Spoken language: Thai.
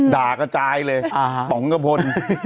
ดากระจายเลยป๋องก็พน